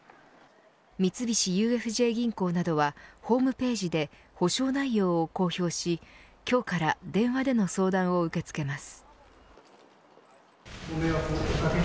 三菱ＵＦＪ銀行などはホームページで補償内容を公表し今日から、電話での相談を受け付けます。